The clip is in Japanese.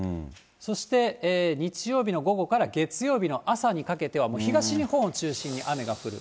そして日曜日の午後から月曜日の朝にかけては、東日本を中心に雨が降る。